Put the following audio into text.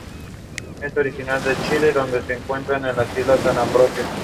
Es originaria de Chile donde se encuentra en la Isla de San Ambrosio.